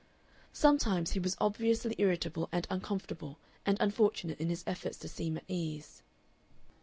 Sometimes he was obviously irritable and uncomfortable and unfortunate in his efforts to seem at ease.